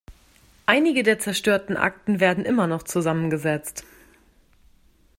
Einige der zerstörten Akten werden immer noch zusammengesetzt.